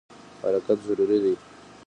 حرکت ضروري دی.